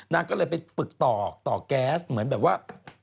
นางก็เลยไปฝึกต่อต่อแก๊สเหมือนแบบว่า